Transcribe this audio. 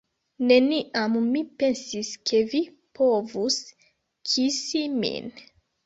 Neniam mi pensis, ke vi povus kisi min.